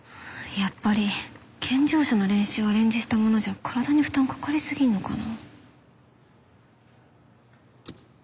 やっぱり健常者の練習をアレンジしたものじゃ体に負担かかりすぎるのかな。